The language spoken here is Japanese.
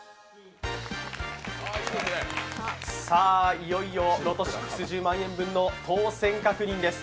いよいよロト６１０万円分の当選確認です。